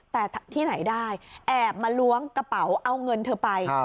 แต่ที่ไหนได้แอบมาล้วงกระเป๋าเอาเงินเธอไป